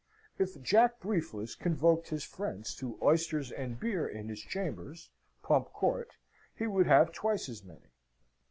If Jack Briefless convoked his friends to oysters and beer in his chambers, Pump Court, he would have twice as many.